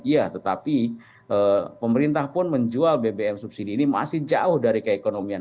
ya tetapi pemerintah pun menjual bbm subsidi ini masih jauh dari keekonomian